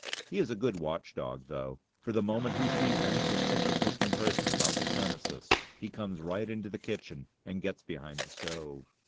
He is a good watch dog, though; for the moment he sees any suspicious looking person about the premises he comes right into the kitchen and gets behind the stove.